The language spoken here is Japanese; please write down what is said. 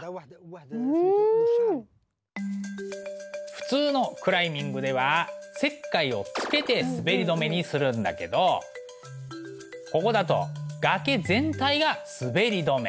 普通のクライミングでは石灰をつけて滑り止めにするんだけどここだと崖全体が滑り止め。